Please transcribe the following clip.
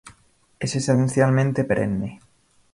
Es esencialmente perenne.